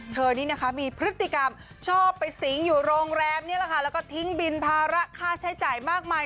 นี้นะคะมีพฤติกรรมชอบไปสิงอยู่โรงแรมนี่แหละค่ะแล้วก็ทิ้งบินภาระค่าใช้จ่ายมากมาย